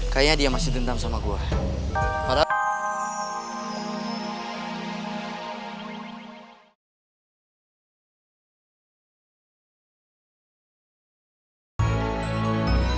kayaknya dia masih dendam sama gue